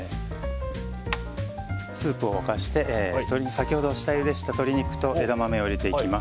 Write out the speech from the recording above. スープを沸かして先ほど下ゆでした鶏肉と枝豆を入れていきます。